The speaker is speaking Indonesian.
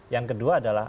yang kedua adalah